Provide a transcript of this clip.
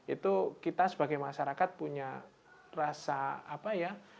itu kita sebagai masyarakat punya rasa apa ya